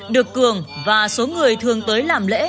được cường và số người thường tới làm lễ